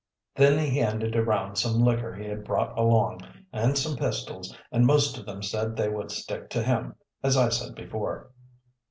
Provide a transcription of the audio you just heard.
Then he handed around some liquor he had brought along, and some pistols, and most of them said they would stick to him, as I said before."